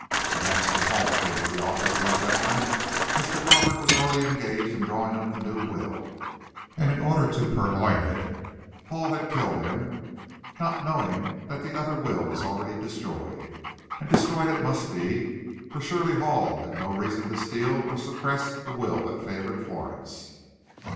Perhaps when Hall came to the office, late that night, Mr. Crawford was already engaged in drawing up the new will, and in order to purloin it Hall had killed him, not knowing that the other will was already destroyed. And destroyed it must be, for surely Hall had no reason to steal or suppress the will that favored Florence.